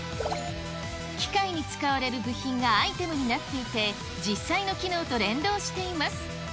機械に使われる部品がアイテムになっていて、実際の機能と連動しています。